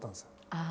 ああ。